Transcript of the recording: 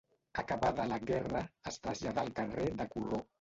Acabada la guerra, es trasllada al carrer de Corró.